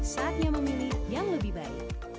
saatnya memilih yang lebih baik